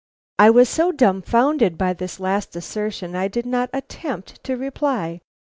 I was so dumfounded by this last assertion, I did not attempt to reply.